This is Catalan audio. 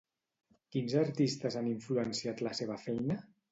Quins artistes han influenciat la seva feina?